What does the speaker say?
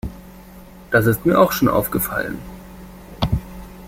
Das ist mir auch schon aufgefallen.